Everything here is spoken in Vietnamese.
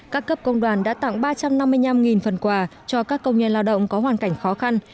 các cấp công đoàn đã tặng ba trăm năm mươi năm phần quà cho các công nhân lao động có hoàn cảnh khó khăn